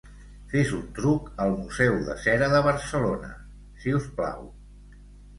Fes un truc al museu de cera de Barcelona, si us plau.